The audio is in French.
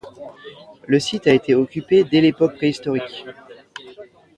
Le site a été occupé dès l'époque préhistorique.